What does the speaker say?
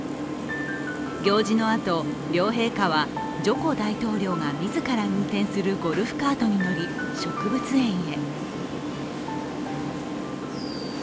行事のあと、両陛下はジョコ大統領が自ら運転するゴルフカートに乗り植物園へ。